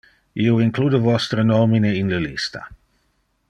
Io include vostre nomine in le lista.